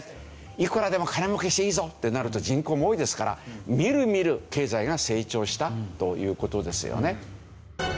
いくらでも金儲けしていいぞってなると人口も多いですからみるみる経済が成長したという事ですよね。